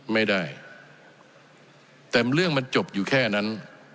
ไม่ได้แต่เรื่องมันจบอยู่แค่นั้น